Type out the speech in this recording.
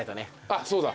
あっそうだ。